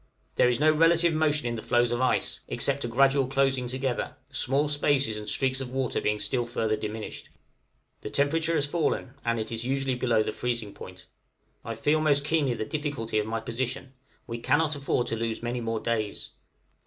There is no relative motion in the floes of ice, except a gradual closing together, the small spaces and streaks of water being still further diminished. The temperature has fallen, and is usually below the freezing point. I feel most keenly the difficulty of my position; we cannot afford to lose many more days.